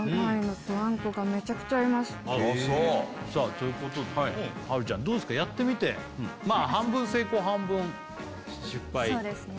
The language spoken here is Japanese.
ああそうさあということで華ちゃんどうですかやってみて半分成功半分失敗そうですね